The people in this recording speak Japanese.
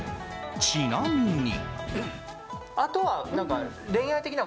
ちなみに。